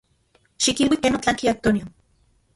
Xikilui ken otlanki Antonio.